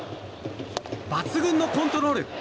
抜群のコントロール！